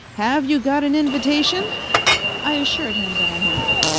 "Have you got an invitation?" I assured him that I had.